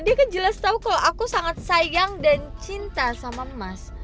dia kan jelas tahu kalau aku sangat sayang dan cinta sama mas